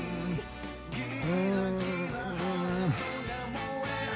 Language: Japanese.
うん。